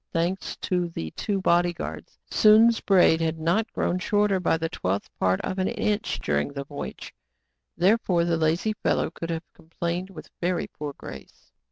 Thanks to the two body guards. Sounds braid had not grown shorter by the twelfth part of an inch during the voyage. Therefore the lazy fel low could have complained with very poor grace.